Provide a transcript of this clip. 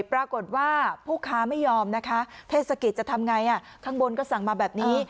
ปรากฏว่าผู้ค้าไม่ยอมนะคะเทศกิจจะทำไงข้างบนก็สั่งมาแบบนี้